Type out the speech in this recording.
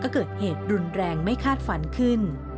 ก็เกิดเหตุรุนแรงไม่คาดฝันขึ้น